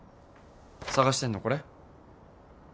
捜してんのこれ？